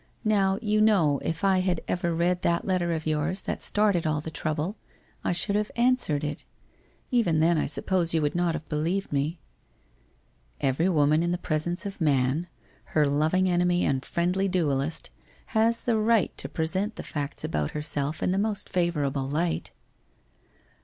Now, you know, if I had ever read that letter of yours that started all the trouble, I should have answered it. Even, then, I suppose you would not have believed me?' * Every woman in the presence of man, her loving enemy and friendly duellist, has the right to present the facts about herself in the most favourable light.'